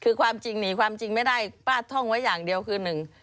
คือความจริงหนีความจริงไม่ได้ป้าท่องไว้อย่างเดียวคือหนึ่ง